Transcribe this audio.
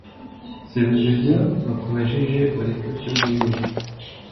subiza ibyo bakubajije ureke kurya indimi